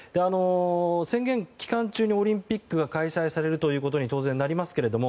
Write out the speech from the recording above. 宣言期間中にオリンピックが開催されるということに当然、なりますけれども。